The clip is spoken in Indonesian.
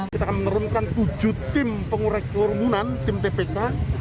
kita akan menerjunkan tujuh tim pengurai kerumunan tim tpk